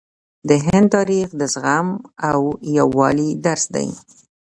د هند تاریخ د زغم او یووالي درس دی.